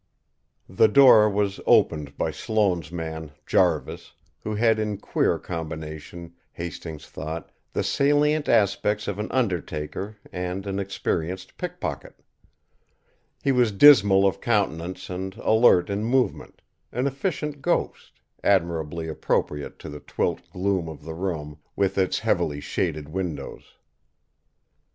The door was opened by Sloane's man, Jarvis, who had in queer combination, Hastings thought, the salient aspects of an undertaker and an experienced pick pocket. He was dismal of countenance and alert in movement, an efficient ghost, admirably appropriate to the twilit gloom of the room with its heavily shaded windows.